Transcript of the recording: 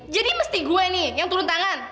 jadi mesti gue nih yang turun tangan